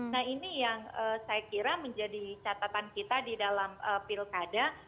nah ini yang saya kira menjadi catatan kita di dalam pilkada